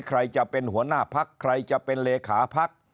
ใครจะเป็นหัวหน้าพักใครจะเป็นเลขาพัก